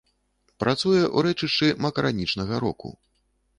Працуе ў рэчышчы макаранічнага року.